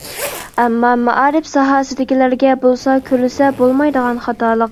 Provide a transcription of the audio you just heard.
ئەمما مائارىپ ساھەسىدىكىلەرگە بولسا كۆرۈلسە بولمايدىغان خاتالىق.